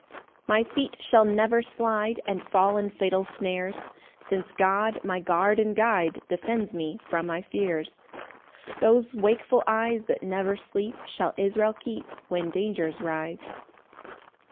2 My feet shall never slide And fall in fatal snares, Since God, my guard and guide, Defends me from my fears: Those wakeful eyes That never sleep Shall Israel keep When dangers rise.